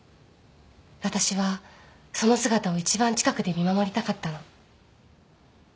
私はその姿を一番近くで見守りたかったの。